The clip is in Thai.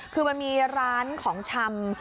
คือมันมีร้านของชำ